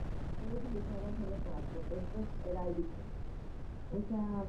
Fue utilizada solo para propósitos heráldicos.